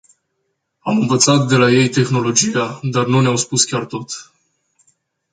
Am învățat de la ei tehnologia, dar nu ne-au spus chiar tot.